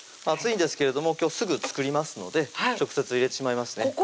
熱いんですけれども今日すぐ作りますので直接入れてしまいますね